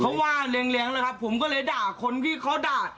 เขาว่าแรงเลยครับผมก็เลยด่าคนที่เขาด่า